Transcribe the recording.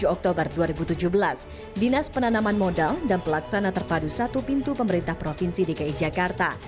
tujuh oktober dua ribu tujuh belas dinas penanaman modal dan pelaksana terpadu satu pintu pemerintah provinsi dki jakarta